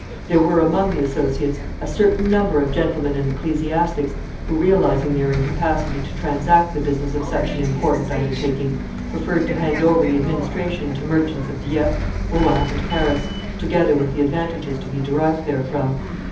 There were among the associates a certain number of gentlemen and ecclesiastics, who, realizing their incapacity to transact the business of such an important undertaking, preferred to hand over the administration to merchants of Dieppe, Rouen and Paris, together with the advantages to be derived therefrom.